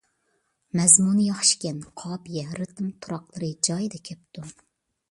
مەزمۇنى ياخشىكەن. قاپىيە، رىتىم، تۇراقلىرى جايىدا كەپتۇ.